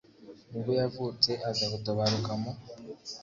nibwo yavutse aza gutabaruka mu